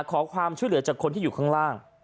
ขอความช่วยเหลือจากคนที่อยู่ข้างล่าง